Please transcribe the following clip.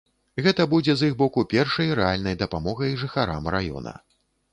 Гэта будзе з іх боку першай рэальнай дапамогай жыхарам раёна.